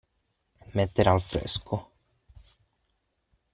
Mettere al fresco.